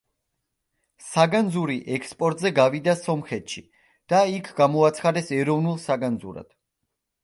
საგანძური ექსპორტზე გავიდა სომხეთში და იქ გამოაცხადეს ეროვნულ საგანძურად.